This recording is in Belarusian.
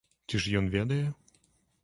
Ці ж ён ведае?